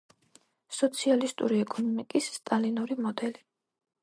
სოციალისტური ეკონომიკის სტალინური მოდელი.